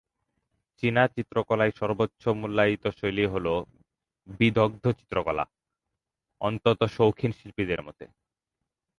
চীনা চিত্রকলায় সর্বোচ্চ মূল্যায়িত শৈলী হলো "বিদগ্ধ-চিত্রকলা", অন্তত শৌখিন শিল্পীদের মতে।